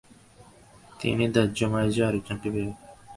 তিনি দ্যহ মায়জু নামে আরেকজনকে বিবাহ করেন।